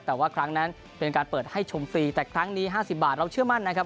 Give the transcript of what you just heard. แต่ว่าครั้งนั้นเป็นการเปิดให้ชมฟรีแต่ครั้งนี้๕๐บาทเราเชื่อมั่นนะครับ